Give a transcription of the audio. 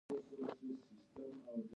کومه سندره خوښوئ؟